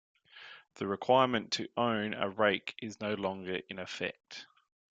The requirement to own a rake is no longer in effect.